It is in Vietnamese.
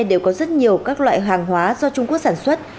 đều có rất nhiều các loại hàng hóa do trung quốc sản xuất